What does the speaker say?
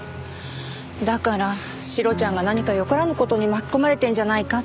だからシロちゃんが何かよからぬ事に巻き込まれてるんじゃないかって。